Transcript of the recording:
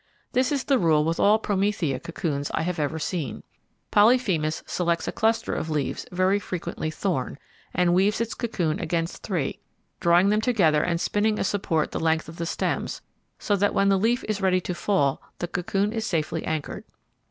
This is the rule with all Promethea cocoons I ever have seen. Polyphemus selects a cluster of leaves very frequently thorn, and weaves its cocoon against three, drawing them together and spinning a support the length of the stems, so that when the leaf is ready to fall the cocoon is safely anchored.